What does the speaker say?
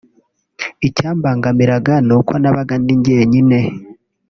icyambangamiraga ni uko nabaga ndi njyenyine